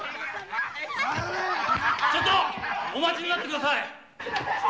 ・ちょっとお待ちになってください！